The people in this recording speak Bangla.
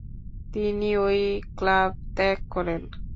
তিনি ঐ ক্লাব ত্যাগ করেন।